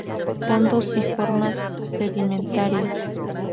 Fondos y formas sedimentarias.